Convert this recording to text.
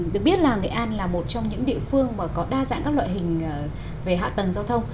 được biết là nghệ an là một trong những địa phương có đa dạng các loại hình về hạ tầng giao thông